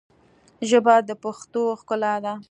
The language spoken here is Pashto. ژبه د پښتو ښکلا ده